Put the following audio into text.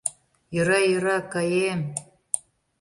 — Йӧра, йӧра, каем...